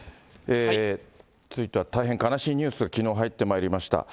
続いては大変悲しいニュースがきのう入ってまいりました。